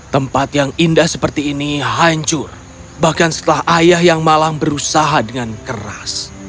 tempat yang indah seperti ini hancur bahkan setelah ayah yang malang berusaha dengan keras